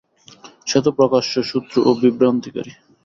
সেতো প্রকাশ্য শত্রু ও বিভ্রান্তিকারী।